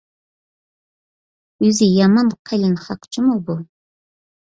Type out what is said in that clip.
يۈزى يامان قېلىن خەق جۇمۇ بۇ!